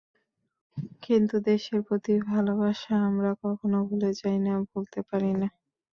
কিন্তু দেশের প্রতি ভালোবাসা আমরা কখনো ভুলে যাই না, ভুলতে পারি না।